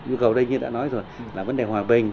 nhu cầu đây như đã nói rồi là vấn đề hòa bình